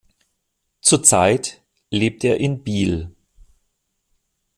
Zurzeit lebt er in Biel.